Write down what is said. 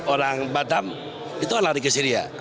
orang batam itu lari ke syria